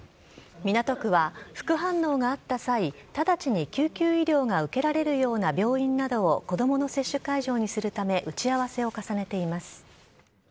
港区は、副反応があった際、直ちに救急医療が受けられるような病院などを子どもの接種会場にするため、打ち合わせを重ねています。